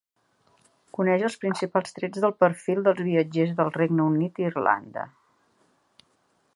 Coneix els principals trets del perfil dels viatgers del Regne Unit i Irlanda.